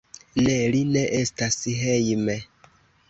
Ne, li ne estas hejme.